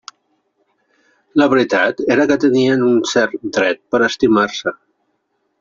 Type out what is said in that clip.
La veritat era que tenien un cert dret per a estimar-se.